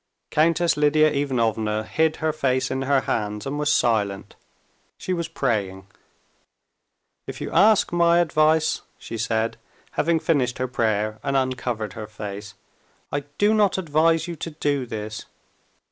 Countess Lidia Ivanovna hid her face in her hands and was silent. She was praying. "If you ask my advice," she said, having finished her prayer and uncovered her face, "I do not advise you to do this.